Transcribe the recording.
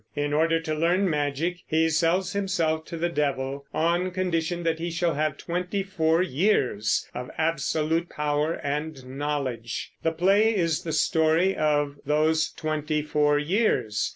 In order to learn magic he sells himself to the devil, on condition that he shall have twenty four years of absolute power and knowledge. The play is the story of those twenty four years.